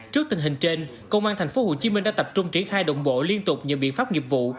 trước tình hình trên công an tp hcm đã tập trung triển khai động bộ liên tục những biện pháp nghiệp vụ